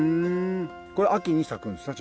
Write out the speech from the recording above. これ秋に咲くんですか？